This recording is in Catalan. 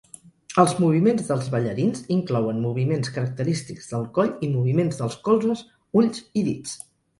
Els moviments dels ballarins inclouen moviments característics del coll i moviments dels colzes, ulls i dits.